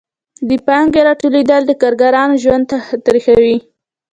د پانګې راټولېدل د کارګرانو ژوند تریخوي